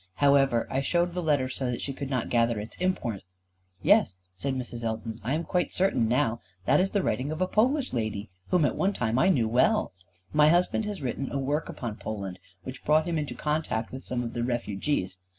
However, I showed the letter so that she could not gather its import. "Yes," said Mrs. Elton, "I am quite certain now. That is the writing of a Polish lady, whom at one time I knew well. My husband has written a work upon Poland, which brought him into contact with some of the refugees.